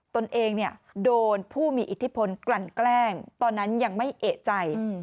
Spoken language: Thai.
ตนเองโดนผู้มีอิทธิพลกลั่นแกล้งตอนนั้นยังไม่เอกใจ